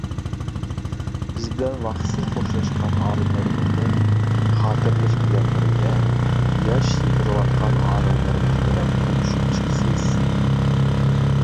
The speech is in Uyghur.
بىز بىلەن ۋاقىتسىز خوشلاشقان ئالىملىرىمىزنى خاتىرىلەش بىلەن بىرگە، ياش يېتىلىۋاتقان ئالىملىرىمىز بىلەن تونۇشۇپ چىقىسىز.